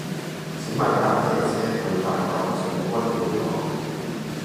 請問搭乜嘢車去大角嘴君匯港